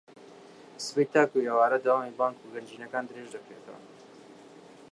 سبەی تاوەکو ئێوارە دەوامی بانک و گەنجینەکان درێژدەکرێتەوە